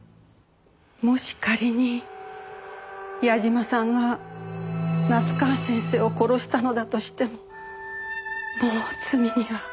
もし仮に矢嶋さんが夏河先生を殺したのだとしてももう罪には。